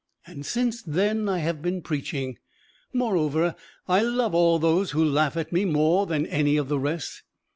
And since then I have been preaching! Moreover I love all those who laugh at me more than any of the rest.